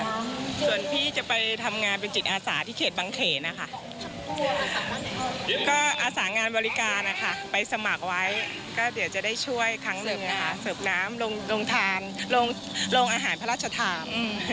ส่วนพี่จะไปทำงานเป็นจิตอาสาที่เขตบังเขนนะคะก็อาสางานบริการนะคะไปสมัครไว้ก็เดี๋ยวจะได้ช่วยครั้งหนึ่งนะคะเสิร์ฟน้ำลงทานลงอาหารพระราชทาน